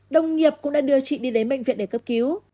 đồng nghiệp cũng đã đưa chị đi đến bệnh viện để cấp cứu